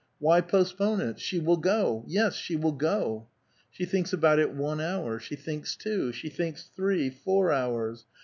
Why postpone it? She will go; yes, she will go ! She thinks about it one hour ; she thinks two ; she thinks three, four hours.